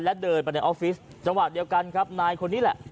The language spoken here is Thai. และเดินไปในออฟฟิศจังหวะเดียวกันครับนายคนนี้แหละ